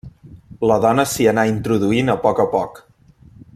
La dona s'hi anà introduint a poc a poc.